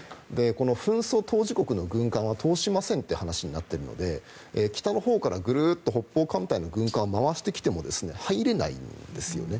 紛争当事国の軍艦は通しませんという話になっているので北のほうからグルッと北方艦隊の軍艦を回してきても、入れないんです。